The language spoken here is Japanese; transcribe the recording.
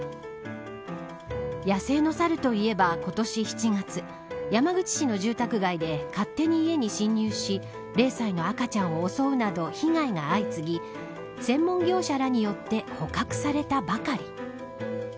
野生のサルといえば今年７月山口市の住宅街で勝手に家に侵入し０歳の赤ちゃんを襲うなど被害が相次ぎ専門業者らによって捕獲されたばかり。